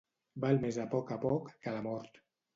Val més a poc a poc que la mort.